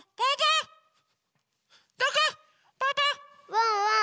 ワンワン